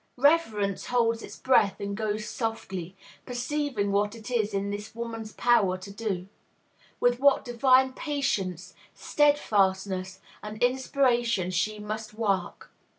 Reverence holds its breath and goes softly, perceiving what it is in this woman's power to do; with what divine patience, steadfastness, and inspiration she must work.